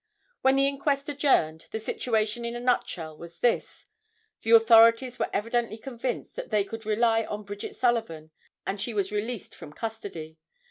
When the inquest adjourned, the situation in a nutshell was this: The authorities were evidently convinced that they could rely on Bridget Sullivan, and she was released from custody.